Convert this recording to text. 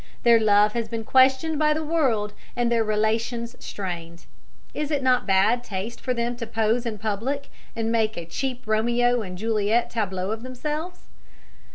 Their love has been questioned by the world, and their relations strained. Is it not bad taste for them to pose in public and make a cheap Romeo and Juliet tableau of themselves?